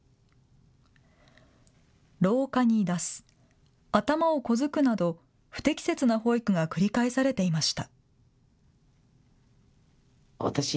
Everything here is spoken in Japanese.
廊下に出す、頭を小突くなど不適切な保育が繰り返されていました。